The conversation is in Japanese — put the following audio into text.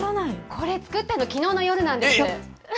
これ作ったの、きのうの夜なんです。